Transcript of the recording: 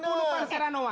ini lima puluh tank seranoa